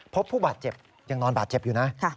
พบผู้บาดเจ็บยังนอนบาดเจ็บอยู่นะ